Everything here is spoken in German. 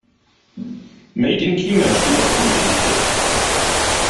Made in China steht auf dem Etikett.